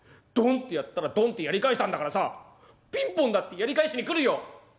ドンってやったらドンってやり返したんだからさピンポンだってやり返しに来るよ。